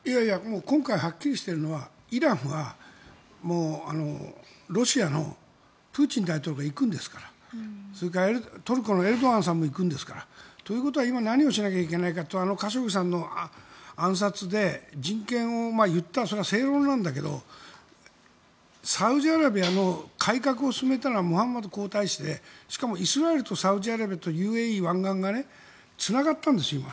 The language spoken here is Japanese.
今回はっきりしているのはイランはロシアのプーチン大統領が行くんですからトルコのエルドアンさんも行くんですから。ということは今何をしなきゃいけないかというかカショギさんの暗殺で人権というのはそれは正論ですがサウジアラビアの改革を進めたのはムハンマド皇太子でしかもイスラエルとサウジアラビアのＵＡＥが湾岸でつながったんですよ。